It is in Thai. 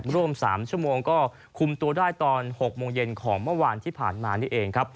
ร่วม๓ชั่วโมงก็คุมตัวได้ตอน๖โมงเย็นของเมื่อวานที่ผ่านมานี่เองครับ